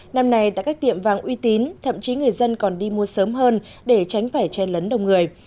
năm nay tại các tiệm vàng uy tín thậm chí người dân còn đi mua sớm hơn để tránh phải chen lấn đông người